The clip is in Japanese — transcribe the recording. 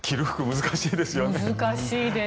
難しいです。